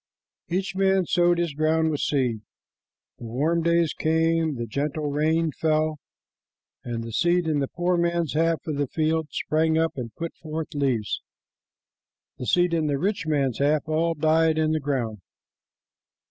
Each man sowed his ground with seed. The warm days came, the gentle rain fell, and the seed in the poor man's half of the field sprang up and put forth leaves. The seed in the rich man's half all died in the ground.